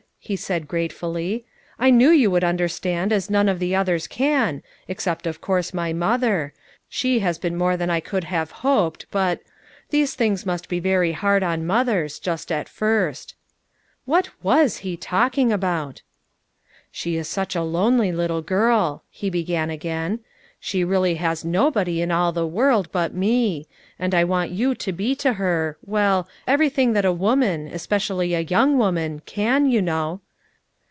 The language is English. he said, gratefully, "I know you would understand as none of the others can, except of course my mother; she has been more than I could have hoped, but— these things must he very hard on mothers, just at first." What ivas he talking about! "She is such a lonely little girl," he began again. < c She really has nobody in all the world, but me; and I want you to be to her— well, everything that a woman, especially a young woman, can, you know."